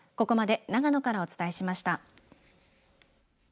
ここまで長野からお伝えしました。